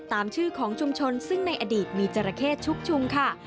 ตามชื่อของชุมชนซึ่งในอดีตมีจราเข้ชุกชุมค่ะ